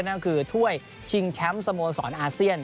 นั่นก็คือถ้วยชิงแชมป์สโมสรอาเซียน